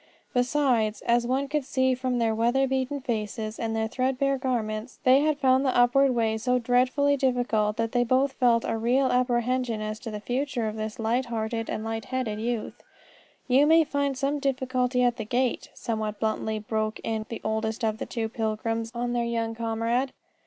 Besides, as one could see from their weather beaten faces, and their threadbare garments, they had found the upward way so dreadfully difficult that they both felt a real apprehension as to the future of this light hearted and light headed youth. "You may find some difficulty at the gate," somewhat bluntly broke in the oldest of the two pilgrims on their young comrade.